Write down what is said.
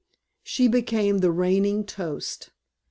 She became the "reigning toast."